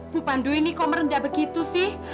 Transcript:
bu pandu ini kok merendah begitu sih